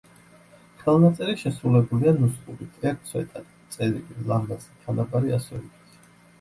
ხელნაწერი შესრულებულია ნუსხურით, ერთ სვეტად, წერილი, ლამაზი, თანაბარი ასოებით.